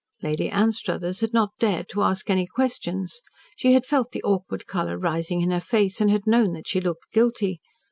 Lady Anstruthers had not dared to ask any questions. She had felt the awkward colour rising in her face and had known that she looked guilty.